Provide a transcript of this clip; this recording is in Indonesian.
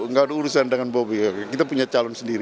nggak ada urusan dengan bobi kita punya calon sendiri